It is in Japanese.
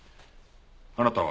あなたは？